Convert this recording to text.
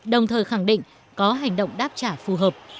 đồng thời khẳng định có hành động đáp trả phù hợp